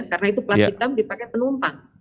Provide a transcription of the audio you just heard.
karena itu pelan hitam dipakai penumpang